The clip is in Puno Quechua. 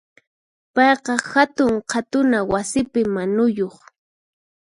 Payqa hatun qhatuna wasipi manuyuq.